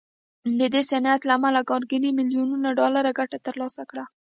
د دې صنعت له امله کارنګي ميليونونه ډالر ګټه تر لاسه کړه.